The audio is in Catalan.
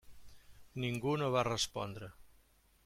Ningú no va respondre.